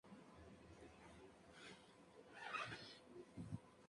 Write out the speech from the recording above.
Trece personas fueron heridas y lesiones no fatales.